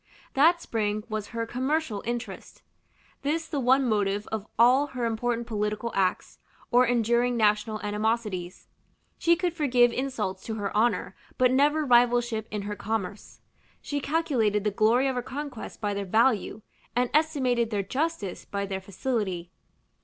That spring was her commercial interest, this the one motive of all her important political acts, or enduring national animosities. She could forgive insults to her honor, but never rivalship in her commerce; she calculated the glory of her conquests by their value, and estimated their justice by their facility.